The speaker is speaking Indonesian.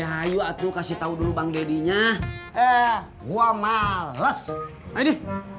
dulu kasih tahu dulu bang deddy nya eh gua males ini